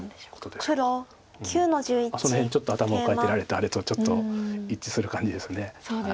その辺ちょっと頭をかいておられたあれと一致する感じです。